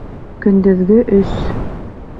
Көндөҙгө өс